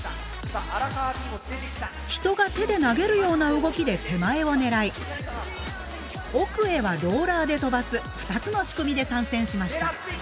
人が手で投げるような動きで手前を狙い奥へはローラーで飛ばす２つの仕組みで参戦しました。